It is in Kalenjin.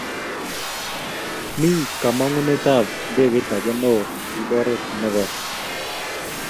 Mi kamangunetab ab ndegeit ake neo kiib oret ne koi.